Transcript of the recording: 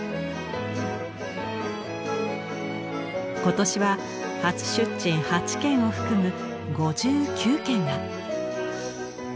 今年は初出陳８件を含む５９件が。